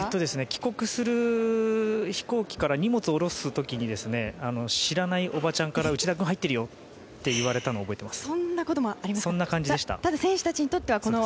帰国する飛行機から荷物を下ろす時に知らないおばちゃんから内田君入っているよと言われたのを覚えています。